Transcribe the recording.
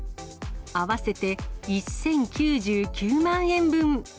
合わせて１０９９万円分。